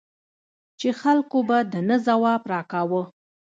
چې خلکو به د نه ځواب را کاوه.